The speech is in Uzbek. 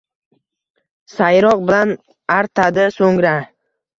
sayroq bilan artadi soʼngra